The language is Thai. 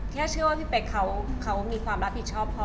แค่เชื่อว่าพี่เป๊กเขามีความรับผิดชอบพอ